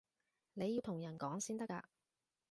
你要同人講先得㗎